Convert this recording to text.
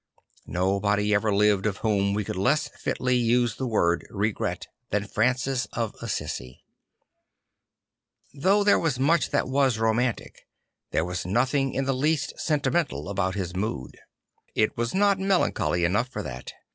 Nobody ever lived of whom we could less fitly use the word " regret" than Francis of Assisi. Though there was much that \vas romantic, there was nothing in the least sentimental about his mood. It was not melancholy enough for that.